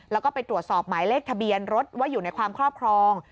แล้วก็ไปตรวจสอบหมายเลขทะเบียนรถว่าอยู่ในความครอบครอง